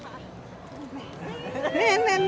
พิเศษทุกเม้านะ